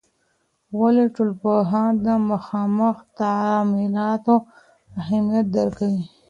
ولي ټولنپوهان د مخامخ تعاملاتو اهمیت درک کوي؟